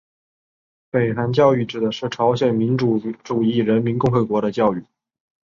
北韩教育指的是朝鲜民主主义人民共和国的教育。